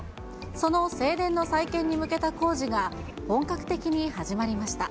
その正殿の再建に向けた工事が、本格的に始まりました。